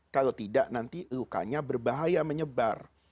kalau tidak nanti lukanya berbahaya menyebar